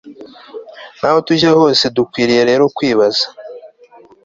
naho tujya hose Dukwiriye rero kwibaza